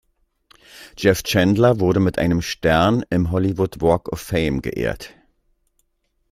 Jeff Chandler wurde mit einem Stern im Hollywood Walk of Fame geehrt.